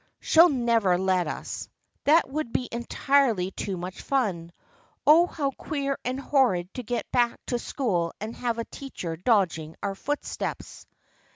" She'll never let us. That would be entirely too much fun. Oh, how queer and horrid to get back to school and have a teacher dogging our footsteps."